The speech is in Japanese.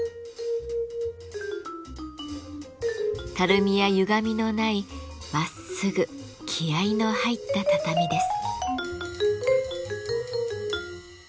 たるみやゆがみのないまっすぐ気合いの入った畳です。